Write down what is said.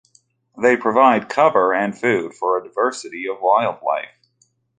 They provide cover and food for a diversity of wildlife.